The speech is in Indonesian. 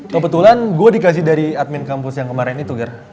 kebetulan gue dikasih dari admin kampus yang kemarin itu